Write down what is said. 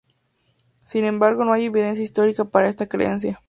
Sin embargo no hay evidencia histórica para esta creencia.